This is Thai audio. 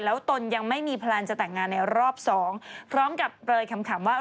แล้วตนยังไม่มีแพลนจะแต่งงานในรอบสองพร้อมกับเปลยคำว่า